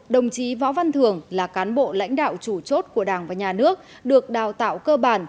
đồng chí võ văn thường là cán bộ lãnh đạo chủ chốt của đảng và nhà nước được đào tạo cơ bản